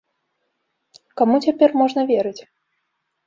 Каму цяпер можна верыць?